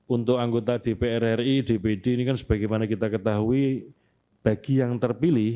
untuk anggota dpr ri dpd ini kan sebagaimana kita ketahui bagi yang terpilih